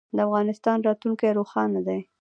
د افغانستان راتلونکی روښانه دی